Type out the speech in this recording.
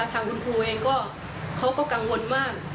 ทางคุณครูเองก็กังวลมาก